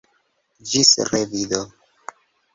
Ĝis revido